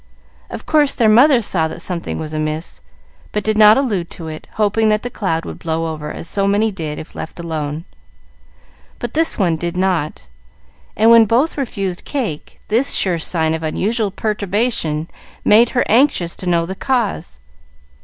Of course, their mother saw that something was amiss, but did not allude to it, hoping that the cloud would blow over as so many did if left alone. But this one did not, and when both refused cake, this sure sign of unusual perturbation made her anxious to know the cause.